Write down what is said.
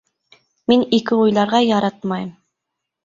Мин ике уйларға яратмайым.